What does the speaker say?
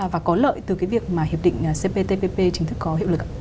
và có lợi từ cái việc mà hiệp định cptpp chính thức có hiệu lực ạ